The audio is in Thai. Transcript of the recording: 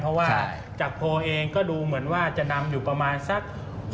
เพราะว่าจากโพลเองก็ดูเหมือนว่าจะนำอยู่ประมาณสัก